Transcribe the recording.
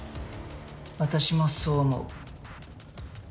私もそう思う。